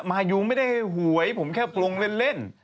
มายูไม่ได้ให้หวยผมแค่ปลงเล่น